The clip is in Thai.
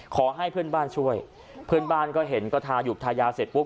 ขอให้เพื่อนบ้านช่วยเพื่อนบ้านก็เห็นก็ทายุบทายาเสร็จปุ๊บ